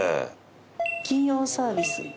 金曜サービスとか。